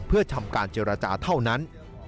เพื่อทำการเจรจาเท่านั้น